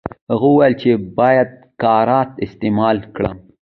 هغه وویل چې باید کارت استعمال کړم.